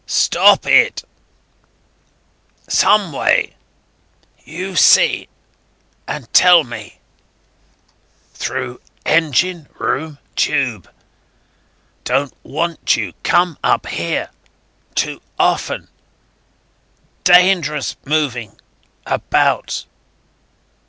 ... Stop it ... some way. You see and tell me ... through engine room tube. Don't want you ... come up here ... too often. Dangerous ... moving about